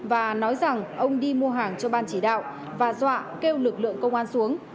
và nói rằng ông đi mua hàng cho ban chỉ đạo và dọa kêu lực lượng công an xuống